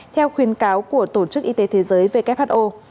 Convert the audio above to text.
theo khuyến cáo của tổ chức y tế thế giới who